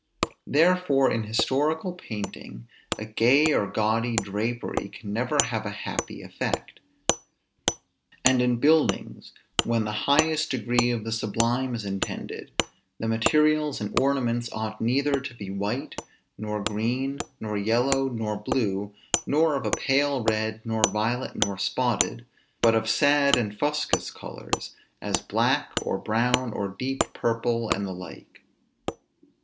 Therefore in historical painting, a gay or gaudy drapery can never have a happy effect: and in buildings, when the highest degree of the sublime is intended, the materials and ornaments ought neither to be white, nor green, nor yellow, nor blue, nor of a pale red, nor violet, nor spotted, but of sad and fuscous colors, as black, or brown, or deep purple, and the like.